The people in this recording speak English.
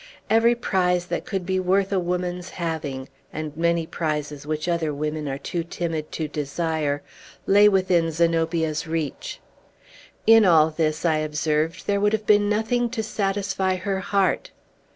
Every prize that could be worth a woman's having and many prizes which other women are too timid to desire lay within Zenobia's reach." "In all this," I observed, "there would have been nothing to satisfy her heart."